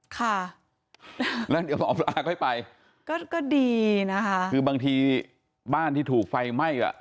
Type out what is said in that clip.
ค่ะแล้วเดี๋ยวหมอปลาค่อยไปก็ก็ดีนะคะคือบางทีบ้านที่ถูกไฟไหม้อ่ะ